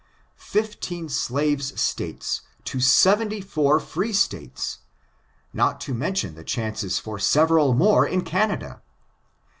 Fifteen slaves States to seventy four free States — not to mention the chances for several more in Canada